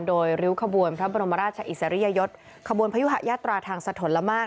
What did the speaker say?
โดยริ้วขบวนพระบรมราชอิสริยยศขบวนพยุหะยาตราทางสะทนละมาก